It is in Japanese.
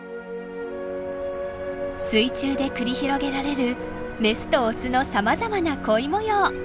水中で繰り広げられるメスとオスのさまざまな恋模様。